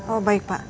oh baik pak